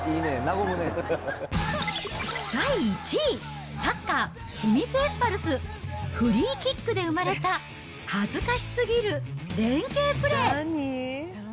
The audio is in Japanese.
第１位、サッカー清水エスパルス、フリーキックで生まれた恥ずかしすぎる連係プレー。